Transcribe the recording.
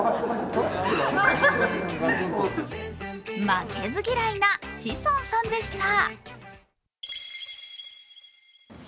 負けず嫌いな志尊さんでした。